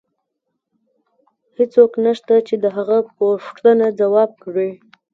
هیڅوک نشته چې د هغه پوښتنه ځواب کړي